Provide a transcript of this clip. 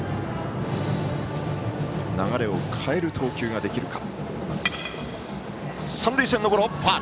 流れを変える投球ができるか。